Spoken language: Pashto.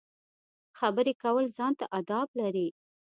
خبرې کول ځان ته اداب لري.